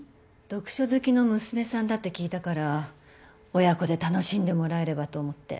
読書好きの娘さんだって聞いたから親子で楽しんでもらえればと思って。